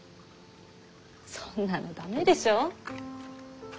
そんなの駄目でしょう？